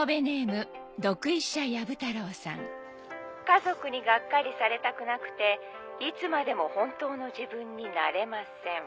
「家族にがっかりされたくなくていつまでも本当の自分になれません」